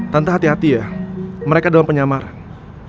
tanpa hati hati ya mereka dalam penyamaran